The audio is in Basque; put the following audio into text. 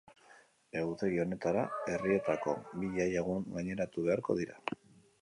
Egutegi honetara herrietako bi jaiegun gaineratu beharko dira.